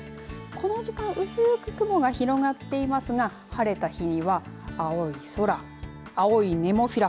この時間薄く雲が広がっていますが晴れた日には、青い空青いネモフィラ。